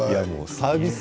サービス